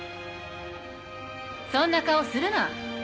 そんな顔するな。